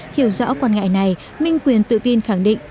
hiểu rõ quan ngại này minh quyền tự tin khẳng định